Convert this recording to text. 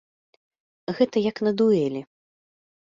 Гэта як на дуэлі.